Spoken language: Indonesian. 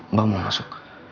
mbak mau masuk